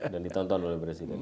dan ditonton oleh presiden